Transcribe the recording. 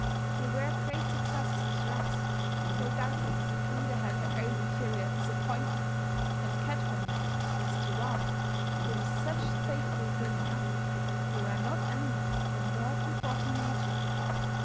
They were great successes as rats, though doubtless Maida had her own interior disappointment and cat wonder as to why, with such faithful bringing up, they were not animals of a more comforting nature.